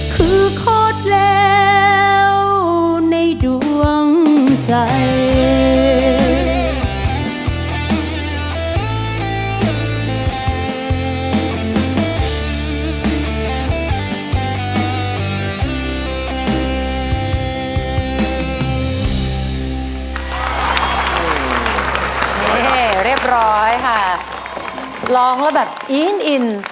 คือโคตรแล้วในดวงใจ